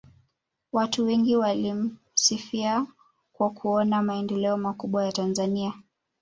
watu wengi walimsifia kwa kuona maendeleo makubwa ya tanzania